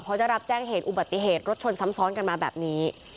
เพราะจะรับแจ้งเหตุอุบัติเหตุรถชนซ้ำซ้อนกันมาแบบนี้